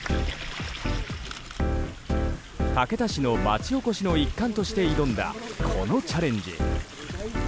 竹田市の町おこしの一環として挑んだこのチャレンジ。